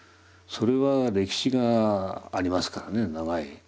それは歴史がありますからね長い。